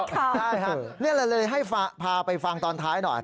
ใช่ค่ะนี่แหละเลยให้พาไปฟังตอนท้ายหน่อย